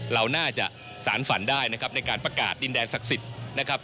เราน่าจะสารฝันได้นะครับในการประกาศดินแดนศักดิ์สิทธิ์นะครับ